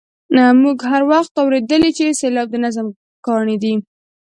موږ هر وخت اورېدلي چې سېلاب د نظم کاڼی دی.